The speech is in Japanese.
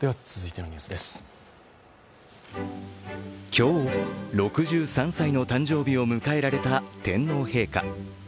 今日、６３歳の誕生日を迎えられた天皇陛下。